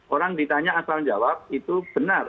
orang ditanya asal menjawab itu benar